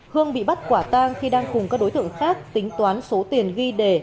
hương bị bắt quả tang khi đang cùng các đối tượng khác tính toán số tiền ghi đề